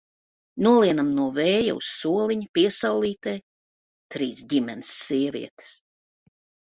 Nolienam no vēja uz soliņa piesaulītē, trīs ģimenes sievietes.